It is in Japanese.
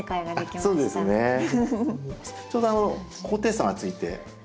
ちょうど高低差がついて。